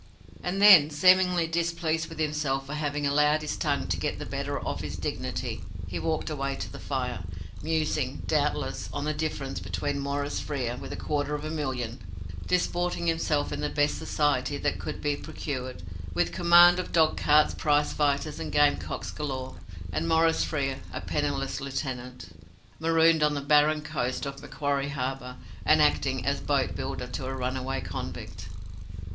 And then, seemingly displeased with himself for having allowed his tongue to get the better of his dignity, he walked away to the fire, musing, doubtless, on the difference between Maurice Frere, with a quarter of a million, disporting himself in the best society that could be procured, with command of dog carts, prize fighters, and gamecocks galore; and Maurice Frere, a penniless lieutenant, marooned on the barren coast of Macquarie Harbour, and acting as boat builder to a runaway convict.